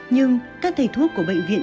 nhưng các thầy thuốc của bệnh viện